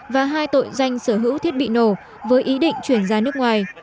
và hai tội danh sở hữu thiết bị nổ với ý định chuyển ra nước ngoài